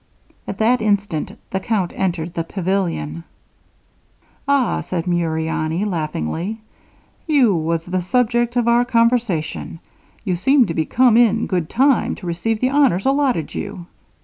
At that instant the count entered the pavilion: 'Ah,' said Muriani, laughingly, 'you was the subject of our conversation, and seem to be come in good time to receive the honors allotted you.